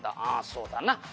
「ああそうだな。